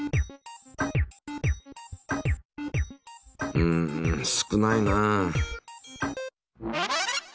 うん少ないな。